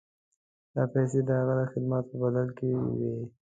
دا پیسې د هغه د خدمت په بدل کې وې.